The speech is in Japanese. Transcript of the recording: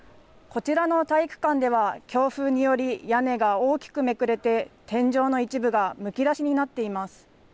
こちらの体育館では、強風により屋根が大きくめくれて、天井の一部がむき出しになっています。